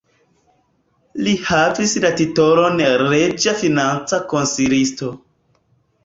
Li havis la titolon reĝa financa konsilisto.